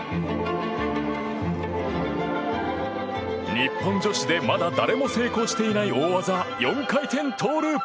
日本女子でまだ誰も成功していない大技４回転トウループ。